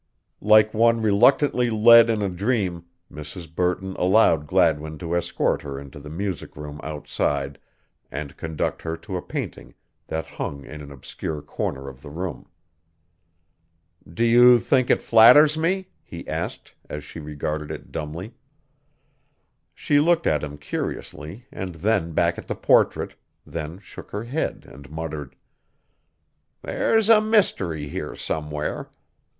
Like one reluctantly led in a dream, Mrs. Burton allowed Gladwin to escort her into the music room outside and conduct her to a painting that hung in an obscure corner of the room. "Do you think it flatters me?" he asked, as she regarded it dumbly. She looked at him curiously and then back at the portrait, then shook her head and muttered: "There's a mystery here somewhere.